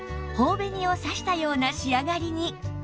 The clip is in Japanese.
頬紅を差したような仕上がりに